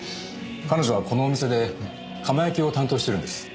彼女はこのお店で窯焼きを担当してるんです。